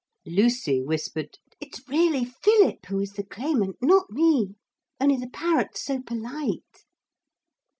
Lucy whispered, 'It's really Philip who is the claimant, not me; only the parrot's so polite.'